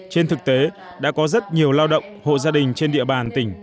trên thực tế đã có rất nhiều lao động hộ gia đình trên địa bàn tỉnh